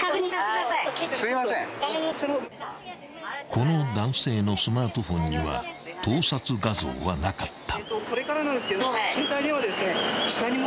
［この男性のスマートフォンには盗撮画像はなかった］